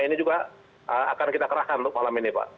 ini juga akan kita kerahkan untuk malam ini pak